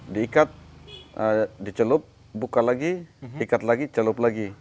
diikat dicelup buka lagi ikat lagi celup lagi